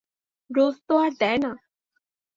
রোজ তো আর দেয় না।